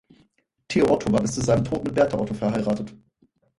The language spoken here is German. Teo Otto war bis zu seinem Tod mit Berta Otto verheiratet.